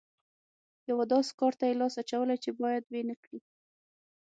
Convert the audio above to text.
یوه داسې کار ته یې لاس اچولی چې بايد ويې نه کړي.